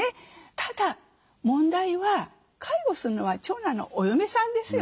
ただ問題は介護するのは長男のお嫁さんですよね。